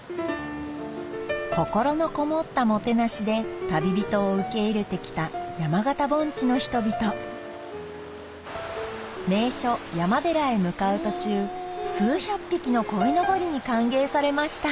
心のこもったもてなしで旅人を受け入れてきた山形盆地の人々名所山寺へ向かう途中数百匹の鯉のぼりに歓迎されました